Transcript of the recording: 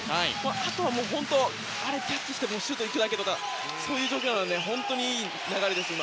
あとは本当にあれをキャッチしてシュートにいくだけという状況なので本当にいい流れです、今。